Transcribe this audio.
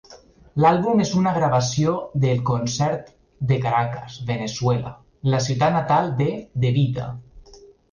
L'àlbum és una gravació del concert de Caracas, Veneçuela, la ciutat natal de De Vita.